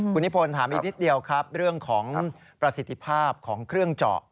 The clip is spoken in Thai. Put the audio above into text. คุณนิพนธ์ถามอีกนิดเดียวครับเรื่องของประสิทธิภาพของเครื่องเจาะ